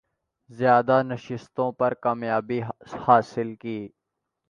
زیادہ نشستوں پر کامیابی حاصل کی